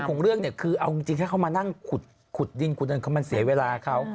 ของเรื่องนี่คือเอาจริงแค่เขามานั่งขุดดินมันเสียเวลาเขา